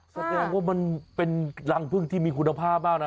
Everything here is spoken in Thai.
แสดงว่ามันเป็นรังพึ่งที่มีคุณภาพมากนะ